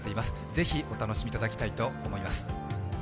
ぜひお楽しみいただきたいと思います。